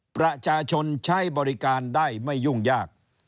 ประชาชนใช้บริการได้ไม่ยุ่งยาก